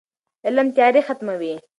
علم تیارې ختموي.